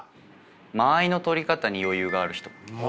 間合いのとり方に余裕がある人。